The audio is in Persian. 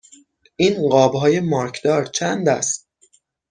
این قاب های مارکدار چند است؟